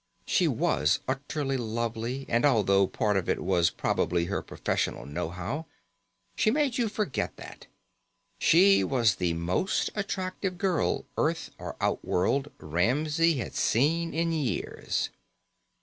She was utterly lovely and although part of it was probably her professional know how, she made you forget that. She was the most attractive girl, Earth or outworld, Ramsey had seen in years.